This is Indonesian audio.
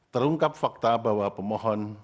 terungkap fakta bahwa pemohon